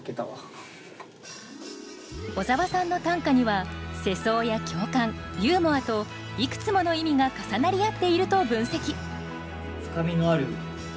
小沢さんの短歌には世相や共感ユーモアといくつもの意味が重なり合っていると分析。